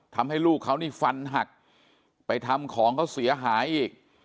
ทำให้ลูกเขานี่ฟันหักไปทำของเขาเสียหายอีก